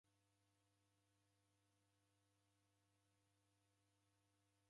Didaja w'uasi na ughu w'ulongozi.